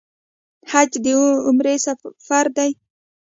حج د عمر سفر دی